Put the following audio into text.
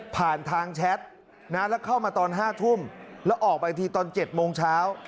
ผ่านทางแชทแล้วเข้ามาตอน๕ทุ่มแล้วออกมาอีกทีตอน๗โมงเช้า